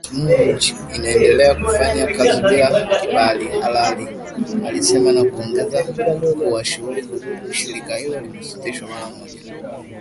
SMUG inaendelea kufanya kazi bila kibali halali alisema na kuongeza kuwa shughuli za shirika hilo zimesitishwa mara moja